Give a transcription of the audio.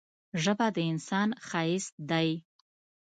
ژبه د انسان ښايست دی.